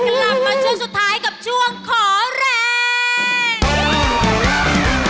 กลับมาช่วงสุดท้ายกับช่วงขอแรง